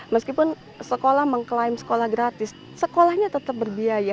meskipun sekolah mengklaim sekolah gratis sekolahnya tetap berbiaya